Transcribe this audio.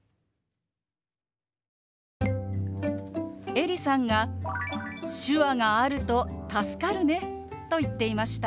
エリさんが「手話があると助かるね」と言っていました。